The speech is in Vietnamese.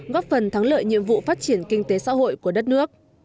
góp phần thắng lợi nhiệm vụ phát triển kinh tế xã hội của đất nước